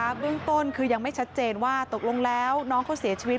เบื้องต้นคือยังไม่ชัดเจนว่าตกลงแล้วน้องเขาเสียชีวิต